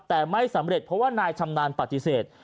แต่ไม่สำเร็จเพราะว่านายชำนาญปฏิเสธ